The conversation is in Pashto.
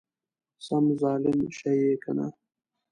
سم ظالم شې يې کنه!